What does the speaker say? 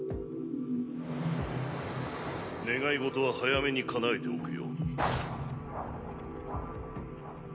願い事は早めにかなえておはっ！